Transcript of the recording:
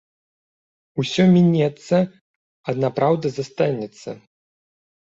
Усё мінецца, адна праўда застанецца